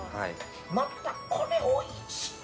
またこれおいしい。